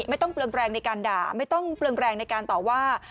เปลืองแรงในการด่าไม่ต้องเปลืองแรงในการต่อว่า